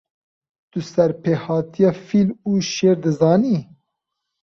Tu serpêhatiya fîl û şêr dizanî?